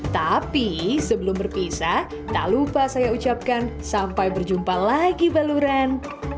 tapi sebelum berpisah tak lupa saya ucapkan sampai berjumpa lagi baluran